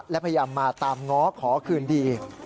และพยายามมาตามง้อขอคืนดี